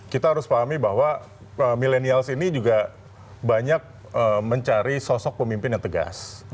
kita harus pahami bahwa milenials ini juga banyak mencari sosok pemimpin yang tegas